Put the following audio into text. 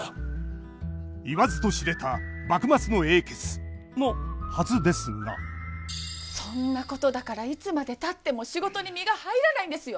言わずと知れた幕末の英傑！のはずですがそんなことだからいつまでたっても仕事に身が入らないんですよ。